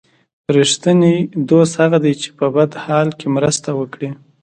رښتینی دوست هغه دی چې په بد حال کې مرسته وکړي.